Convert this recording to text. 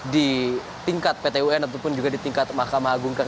di tingkat pt un ataupun juga di tingkat mahkamah agung